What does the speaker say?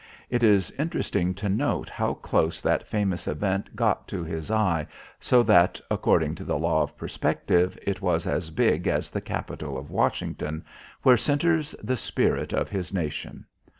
It is interesting to note how close that famous event got to his eye so that, according to the law of perspective, it was as big as the Capitol of Washington, where centres the spirit of his nation.